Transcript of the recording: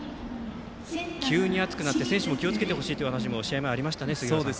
急に暑くなって、選手たちも気をつけてほしいという話が試合前にありましたね